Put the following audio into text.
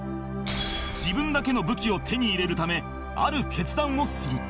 自分だけの武器を手に入れるためある決断をする！